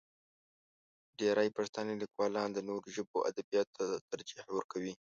ډېری پښتانه لیکوالان د نورو ژبو ادبیاتو ته ترجیح ورکوي.